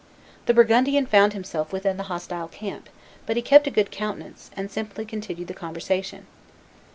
The Burgundian found himself within the hostile camp; but he kept a good countenance, and simply continued the conversation.